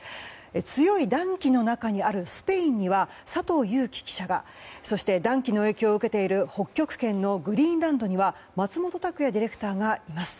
強い暖気の中にあるスペインには佐藤裕樹記者がそして暖気の影響を受けている北極点のグリーンランドには松本拓也ディレクターがいます。